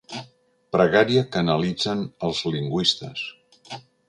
Pregària que analitzen els lingüistes.